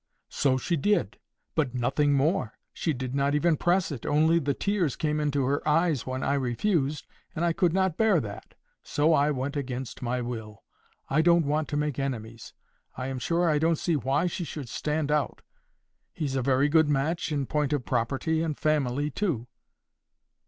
"So she did, but nothing more. She did not even press it, only the tears came in her eyes when I refused, and I could not bear that; so I went against my will. I don't want to make enemies. I am sure I don't see why she should stand out. He's a very good match in point of property and family too."